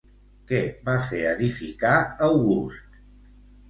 Què va fer edificar August?